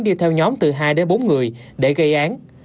đi theo nhóm từ hai đến bốn người để gây án